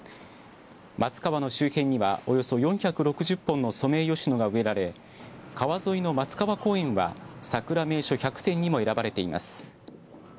松川の周辺にはおよそ４６０本のソメイヨシノが植えられ川沿いの松川公園はさくら名所１００選にも選ばれています。